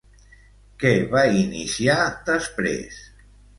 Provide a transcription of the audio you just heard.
Què va iniciar després?